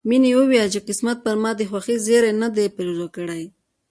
مينې وويل چې قسمت پر ما د خوښۍ زيری نه دی پيرزو کړی